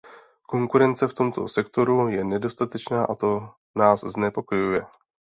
Konkurence v tomto sektoru je nedostatečná a to nás znepokojuje.